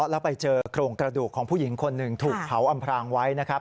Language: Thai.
แล้วไปเจอโครงกระดูกของผู้หญิงคนหนึ่งถูกเผาอำพรางไว้นะครับ